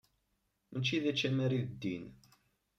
Mačči d ačamar i d ddin.